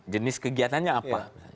jenis kegiatannya apa